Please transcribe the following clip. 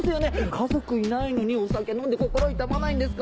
家族いないのにお酒飲んで心痛まないんですか？